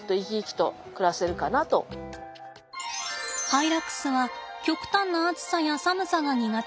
ハイラックスは極端な暑さや寒さが苦手です。